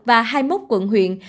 và hai mốc quận huyện